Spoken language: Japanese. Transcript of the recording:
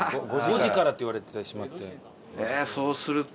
５時からって言われてしまって。